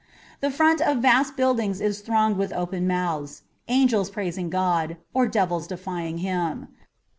The front of vast buildings is thronged with open mouths, angels praising God, or devils defying Him.